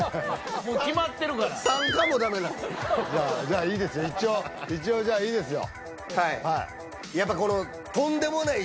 もう決まってるからじゃいいですよ一応一応じゃいいですよ